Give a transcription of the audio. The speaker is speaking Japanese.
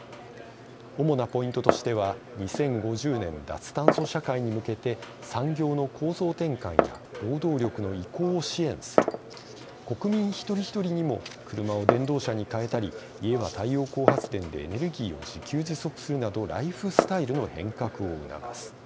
主なポイントとしては２０５０年脱炭素社会に向けて産業の構造転換や労働力の移行を支援する国民一人一人にも車を電動車に変えたり家は太陽光発電でエネルギーを自給自足するなどライフスタイルの変革を促す。